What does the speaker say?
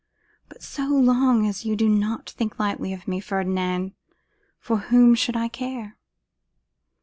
But so long as you do not think lightly of me, Ferdinand, for whom should I care?